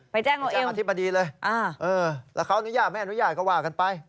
แจ้งอธิบดีเลยแล้วเขาอนุญาตไม่อนุญาตก็ว่ากันไป